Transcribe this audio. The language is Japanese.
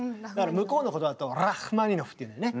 向こうの言葉だと「ラッフマニノフ」って言うんだよね？